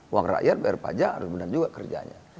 uang rakyat bayar pajak harus benar juga kerjanya